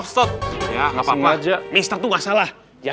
hebat banget hebat banget itu namanya